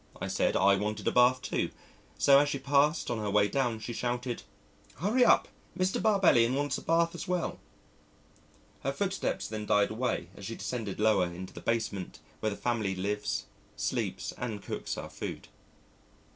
I said I wanted a bath too, so as she passed on her way down she shouted, "Hurry up, Mr. Barbellion wants a bath as well." Her footsteps then died away as she descended lower into the basement, where the family lives, sleeps, and cooks our food.